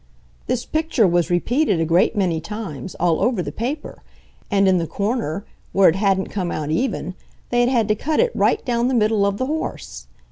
This picture was repeated a great many times, all over the paper; and in the corner, where it hadn't come out even, they had had to cut it right down the middle of the horse.